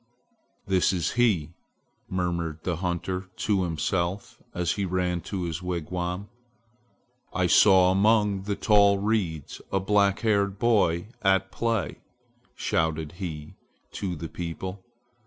"This is he!" murmured the hunter to himself as he ran to his wigwam. "I saw among the tall reeds a black haired boy at play!" shouted he to the people.